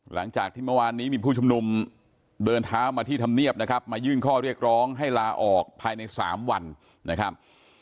หลังจากที่เมื่อวานนี้มีผู้ชุมนุมเดินเท้ามาที่ธรรมเนียบนะครับมายื่นข้อเรียกร้องให้ลาออกภายใน๓วันนะครับ